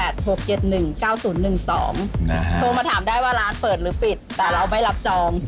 โทรมาถามได้ว่าร้านเปิดหรือปิดแต่เราไม่รับจอง